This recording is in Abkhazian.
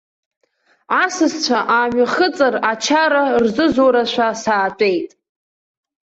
Асасцәа аамҩахыҵыр ачара рзызурашәа саатәеит.